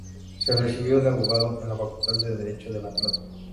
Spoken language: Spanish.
Se recibió de abogado en la Facultad de Derecho de la Plata.